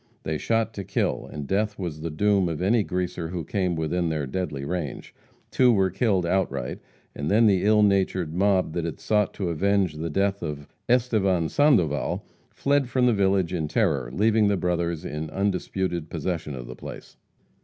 They shot to kill, and death was the doom of any greaser who came within their deadly range. Two were killed outright, and then the ill natured mob that had sought to avenge the death of Estevan Sandoval, fled from the village in terror, leaving the brothers in undisputed possession of the place.